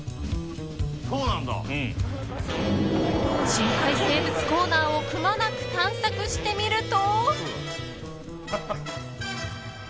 深海生物コーナーをくまなく探索してみると。